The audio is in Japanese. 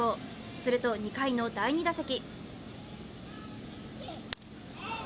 すると２回の第２打席。